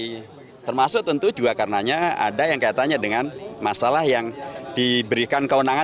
jadi termasuk tentu juga karena ada yang katanya dengan masalah yang diberikan kewenangan